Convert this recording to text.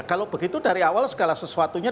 kalau begitu dari awal segala sesuatunya